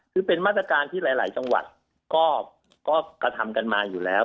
คือเป็นมาตรการที่หลายจังหวัดก็กระทำกันมาอยู่แล้ว